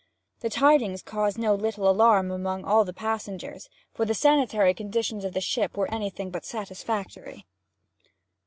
The tidings caused no little alarm among all the passengers, for the sanitary conditions of the ship were anything but satisfactory.